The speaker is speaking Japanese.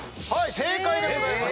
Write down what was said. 正解でございます。